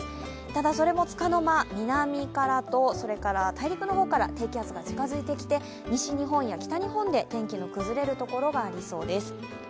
ただそれもつかの間、南からと大陸の方から低気圧が近づいてきて西日本や北日本で天気の崩れる所がありそうです。